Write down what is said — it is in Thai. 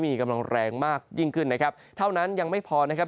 มีกำลังแรงมากยิ่งขึ้นนะครับเท่านั้นยังไม่พอนะครับ